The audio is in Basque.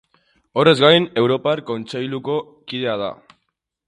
Horrez gain, Europar Kontseiluko kidea da.